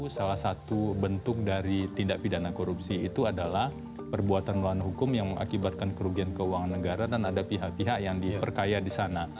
salah satu bentuk dari tindak pidana korupsi itu adalah perbuatan melawan hukum yang mengakibatkan kerugian keuangan negara dan ada pihak pihak yang diperkaya di sana